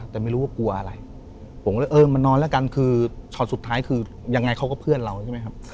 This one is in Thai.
แต่ไม่รู้ว่ากลัวอะไรผมก็เลยเออมานอนแล้วกันคือช็อตสุดท้ายคือยังไงเขาก็เพื่อนเราใช่ไหมครับ